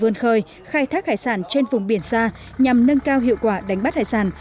ubnd khai thác hải sản trên vùng biển xa nhằm nâng cao hiệu quả đánh bắt hải sản